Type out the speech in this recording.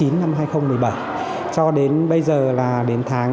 năm hai nghìn một mươi bảy cho đến bây giờ là đến tháng một mươi